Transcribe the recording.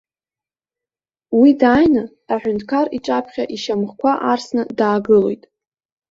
Уи дааины аҳәынҭқар иҿаԥхьа ишьамхқәа арсны даагылоит.